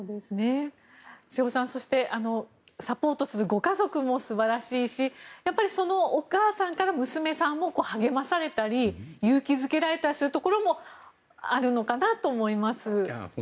瀬尾さんそしてサポートするご家族も素晴らしいし、やっぱりそのお母さんから娘さんも励まされたり勇気付けられたりするところもあるのかなと思います。